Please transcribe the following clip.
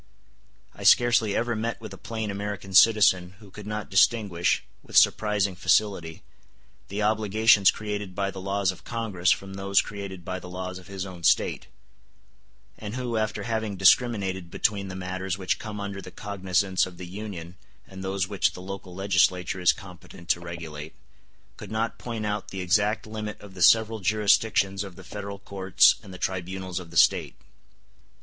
I scarcely ever met with a plain American citizen who could not distinguish, with surprising facility, the obligations created by the laws of Congress from those created by the laws of his own State; and who, after having discriminated between the matters which come under the cognizance of the Union and those which the local legislature is competent to regulate, could not point out the exact limit of the several jurisdictions of the Federal courts and the tribunals of the State.